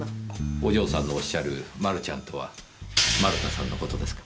お嬢さんのおっしゃる「丸ちゃん」とは丸田さんの事ですか？